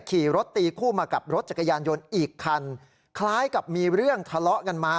ขี่รถตีคู่มากับรถจักรยานยนต์อีกคันคล้ายกับมีเรื่องทะเลาะกันมา